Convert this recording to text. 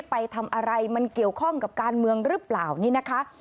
ไปทำอะไรมันเกี่ยวข้องกับการเมืองหรือเปล่านี่นะคะ